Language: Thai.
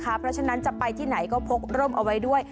เพราะฉะนั้นจะไปที่ไหนก็พกร่มเอาไว้ด้วย